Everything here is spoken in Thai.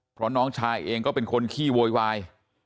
เพราะน้องชายเองก็เป็นคนขี้โวยวาย